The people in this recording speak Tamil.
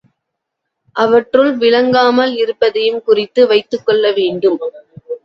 அவற்றுள் விளங்காமல் இருப்பதையும் குறித்து வைத்துக்கொள்ள வேண்டும்.